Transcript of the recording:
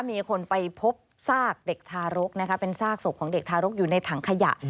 มีคนไปพบซากเด็กทารกนะคะเป็นซากศพของเด็กทารกอยู่ในถังขยะ